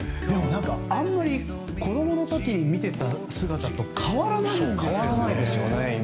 あんまり子供の時に見ていた姿と変わらないんですよね。